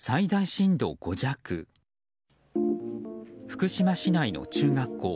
福島市内の中学校。